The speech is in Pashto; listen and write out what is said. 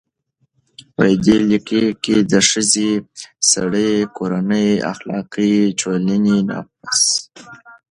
دې لیک کې د ښځې، سړي، کورنۍ، اخلاقو، ټولنې، نفس،